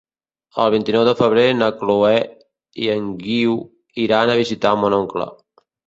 El vint-i-nou de febrer na Chloé i en Guiu iran a visitar mon oncle.